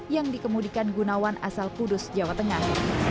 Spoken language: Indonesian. yang dikemudikan gunawan asal kudus jawa tengah